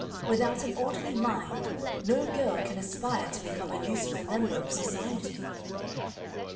Without an orderly mind no girl can aspire to become a useful member of society."